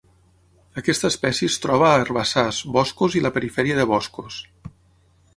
Aquesta espècie es troba a herbassars, boscos i la perifèria de boscos.